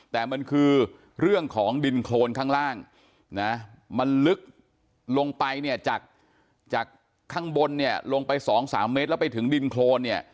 แต่มันคือเรื่องของดินโครนข้างล่างนะมันลึกลงไปเนี่ยจากข้างบนเนี่ยลงไป๒๓เมตรแล้วไปถึงดินโครนเนี่ย